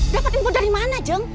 dapat info dari mana jam